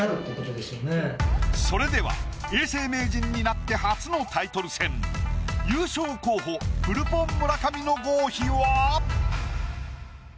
それでは永世名人になって初のタイトル戦。優勝候補フルポン・村上の合否は？